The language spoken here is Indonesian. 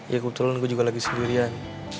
ya kebetulan gue juga lagi sendirian